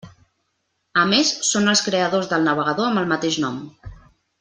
A més són els creadors del navegador amb el mateix nom.